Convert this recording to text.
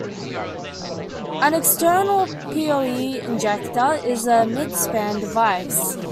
An external PoE "injector" is a "midspan" device.